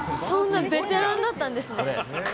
そんなベテランだったんですね。